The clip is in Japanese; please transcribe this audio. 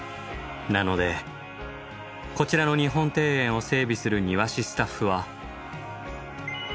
なのでこちらの日本庭園を整備する庭師スタッフは。